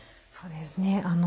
そうですね。